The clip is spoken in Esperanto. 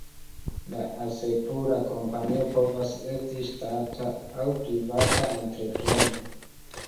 La asekura kompanio povas esti ŝtata aŭ privata entrepreno.